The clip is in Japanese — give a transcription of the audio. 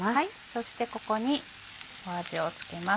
そしてここに味を付けます。